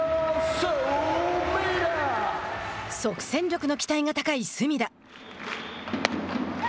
即戦力の期待が高い隅田。